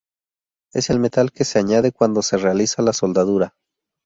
Es el metal que se añade cuando se realiza la soldadura.